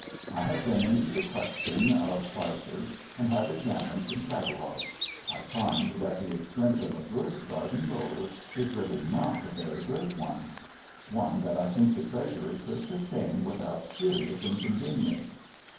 I have been into the question of prices and have examined some catalogues. I find that the expense of a good garden roller is really not a very great one. One that I think the Treasury could sustain without serious inconvenience...."